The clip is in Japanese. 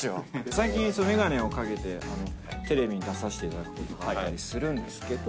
最近眼鏡をかけて、テレビに出させていただいたりするんですけど。